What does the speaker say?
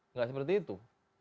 nggak seperti itu